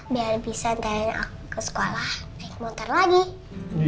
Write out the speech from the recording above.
biar bisa nantain aku ke sekolah naik motor lagi